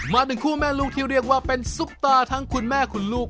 หนึ่งคู่แม่ลูกที่เรียกว่าเป็นซุปตาทั้งคุณแม่คุณลูก